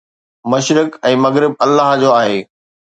مشرق ۽ مغرب الله جو آهي.